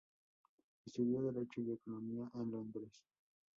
Estudió derecho y economía en Londres.